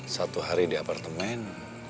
satu hari di apartemen